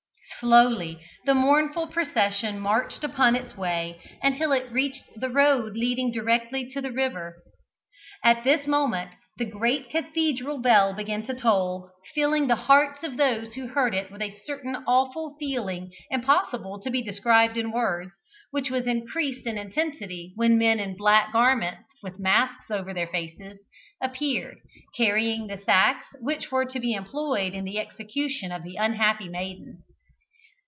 Slowly the mournful procession marched upon its way, until it reached the road leading directly to the river. At this moment the great cathedral bell began to toll, filling the hearts of those who heard it with a certain awful feeling impossible to be described in words, which was increased in intensity when men in black garments, with masks over their faces, appeared, carrying the sacks which were to be employed in the execution of the unhappy maidens.